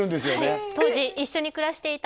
はい当時一緒に暮らしていた